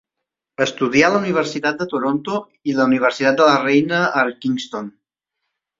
Estudià a la Universitat de Toronto i la Universitat de la Reina a Kingston.